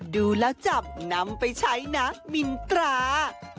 ดูแล้วจับนำไปใช้นะมินตรา